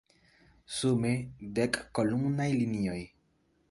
Sume, dek kolumnaj linioj.